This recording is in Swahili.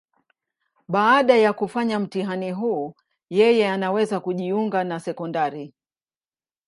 Baada ya kufanya mtihani huu, yeye anaweza kujiunga na sekondari.